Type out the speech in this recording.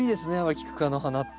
キク科の花って。